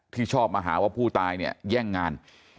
ชอบมาหาว่าผู้ตายเนี่ยแย่งงาน